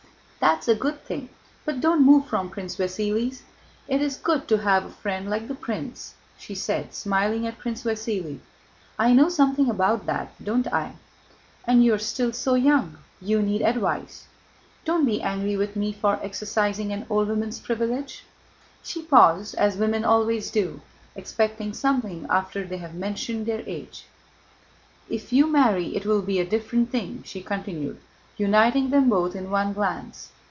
"That's a good thing, but don't move from Prince Vasíli's. It is good to have a friend like the prince," she said, smiling at Prince Vasíli. "I know something about that. Don't I? And you are still so young. You need advice. Don't be angry with me for exercising an old woman's privilege." She paused, as women always do, expecting something after they have mentioned their age. "If you marry it will be a different thing," she continued, uniting them both in one glance.